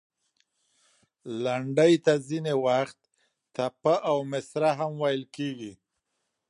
لنډۍ ته ځینې وخت، ټپه او مصره هم ویل کیږي.